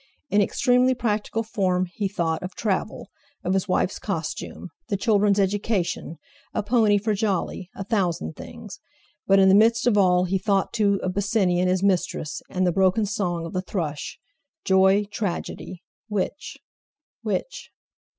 In extremely practical form, he thought of travel, of his wife's costume, the children's education, a pony for Jolly, a thousand things; but in the midst of all he thought, too, of Bosinney and his mistress, and the broken song of the thrush. Joy—tragedy! Which? Which?